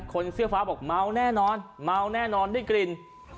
คนเสื้อฟ้าบอกเมาแน่นอนได้กลิ่น